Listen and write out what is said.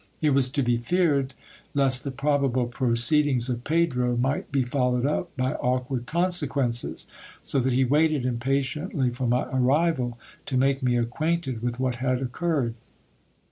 It was to be feared, lest the probable proceed ings of Pedro might be followed up by awkward consequences ; so that he waited impatiently for my arrival, to make me acquainted with what had occur red.